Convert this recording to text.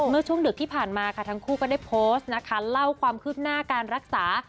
เมื่อช่วงดึกที่ผ่านมาค่ะทั้งคู่ก็ได้โพสต์นะคะเล่าความคืบหน้าการรักษา